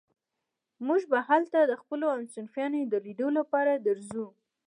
موږ به هلته د خپلو همصنفيانو د ليدو لپاره درځو.